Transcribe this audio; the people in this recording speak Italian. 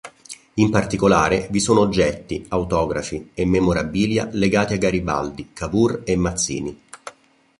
In particolare vi sono oggetti, autografi e memorabilia legati a Garibaldi, Cavour e Mazzini.